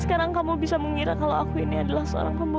ketemu sama kakak kandung kamu